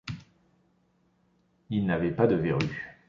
Il n’avait pas de verrue.